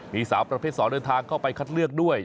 มีสาวประเภท๒เดินทางเข้าไปคัดเลือกด้วย